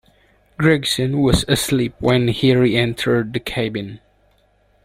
Gregson was asleep when he re-entered the cabin.